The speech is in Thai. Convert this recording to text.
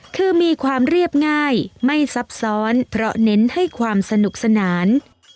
คือมีความเรียบง่ายไม่ซับซ้อนเพราะเน้นให้ความสนุกสนาน